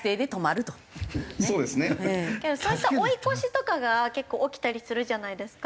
けどそういった追い越しとかが結構起きたりするじゃないですか。